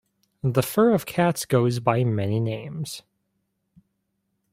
The fur of cats goes by many names.